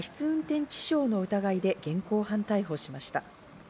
運転致傷の疑いで現行犯逮捕しました。